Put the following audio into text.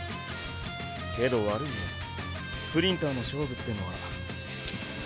けど悪いねスプリンターの勝負ってのは。